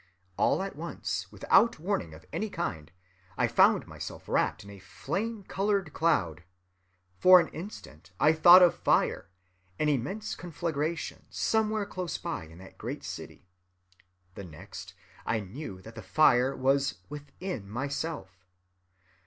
All at once, without warning of any kind, I found myself wrapped in a flame‐colored cloud. For an instant I thought of fire, an immense conflagration somewhere close by in that great city; the next, I knew that the fire was within myself.